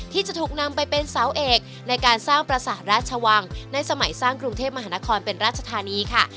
ที่จะถูกนำไปเป็นเสาเอกในการสร้างประสาทราชวังในสมัยสร้างกรุงเทพมหานครเป็นราชธานีค่ะ